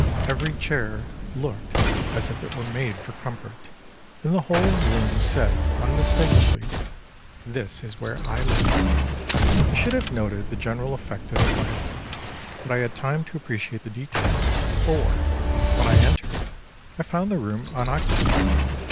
Every chair looked as if it were made for comfort, and the whole room said unmistakably, "This is where I live." I should have noted the general effect at a glance, but I had time to appreciate the details, for, when I entered, I found the room unoccupied.